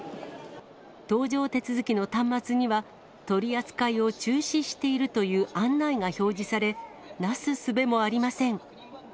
搭乗手続きの端末には、取り扱いを中止しているという案内が表示され、なすすべもありません。